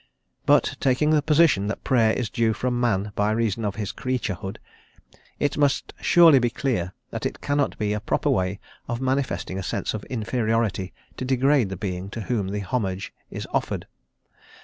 But, taking the position that Prayer is due from man by reason of his creaturehood, it must surely be clear that it cannot be a proper way of manifesting a sense of inferiority to degrade the Being to whom the homage is offered.